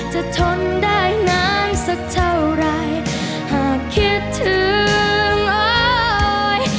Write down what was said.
ทนได้นานสักเท่าไรหากคิดถึงอาย